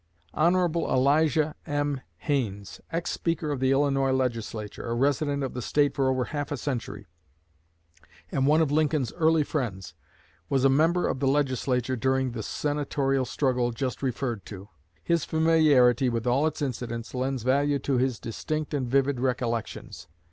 Hon. Elijah M. Haines, ex Speaker of the Illinois Legislature, a resident of the State for over half a century, and one of Lincoln's early friends, was a member of the Legislature during the Senatorial struggle just referred to. His familiarity with all its incidents lends value to his distinct and vivid recollections.